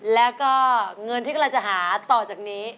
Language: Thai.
แล้วก็เงินที่กำลังจะหาต่อจากนี้